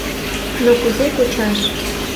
Но кузе кучаш?